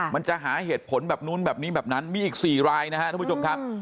มันจะหาเหตุผลแบบนู้นแบบนี้แบบนั้นมีอีก๔รายนะครับทุกผู้ชมครับ